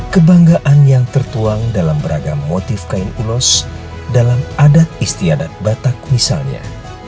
kebanggaan yang tertuang dalam beragam motif kain ulos dalam adat istiadat batak misalnya